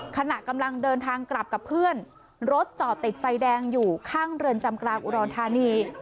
ขณะกำลังเดินทางกลับกับเพื่อนรถจอดติดไฟแดงอยู่ข้างเรือนจำกลางอุดรธานี